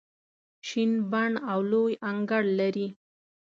شین بڼ او لوی انګړ لري.